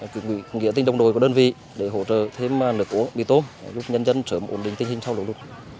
kỷ niệm tinh đồng đội của đơn vị để hỗ trợ thêm lực lũ mì tôm giúp nhân dân trở một ổn định tình hình sau lũ